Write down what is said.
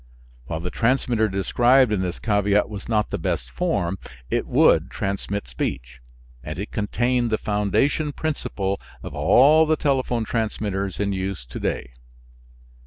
While the transmitter described in this caveat was not the best form, it would transmit speech, and it contained the foundation principle of all the telephone transmitters in use to day.